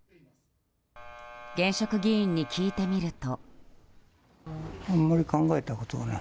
現職議員に聞いてみると。